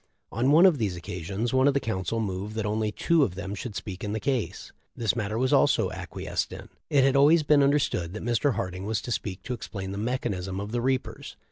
On one of these occasions one of the counsel moved that only two of them should speak in the case. This matter was also acquiesced in. It had always been understood that Mr. Harding was to speak to explain the mechanism of the reapers.